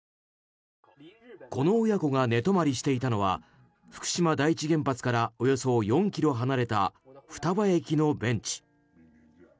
この親子が寝泊まりしていたのは福島第一原発からおよそ４ｋｍ離れた双葉駅のベンチ。